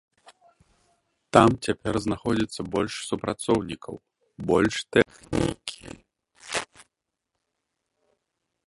Там цяпер знаходзіцца больш супрацоўнікаў, больш тэхнікі.